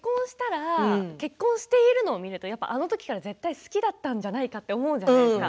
結婚しているのを見るとあの時からずっと好きだったんじゃないかと思うじゃないですか。